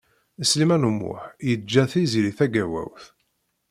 Sliman U Muḥ yeǧǧa Tiziri Tagawawt.